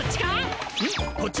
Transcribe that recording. うん？こっち？